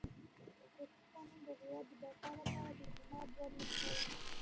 اساسي قانون د هېواد د بقا لپاره د اعتماد وړ نسخه وه.